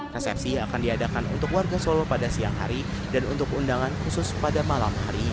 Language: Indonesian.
resepsi akan diadakan untuk warga solo pada siang hari dan untuk undangan khusus pada malam hari ini